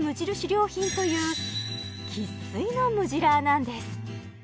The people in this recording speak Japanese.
良品という生粋のムジラーなんです